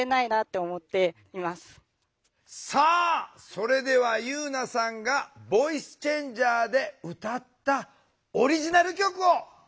それでは夕菜さんがボイスチェンジャーで歌ったオリジナル曲をお聴き下さい。